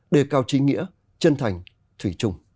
đề cao chính nghĩa chân thành thủy chung